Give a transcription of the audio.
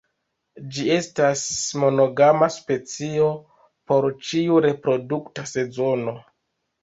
Ĝi estas monogama specio por ĉiu reprodukta sezono.